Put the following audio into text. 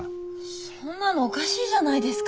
そんなのおかしいじゃないですか。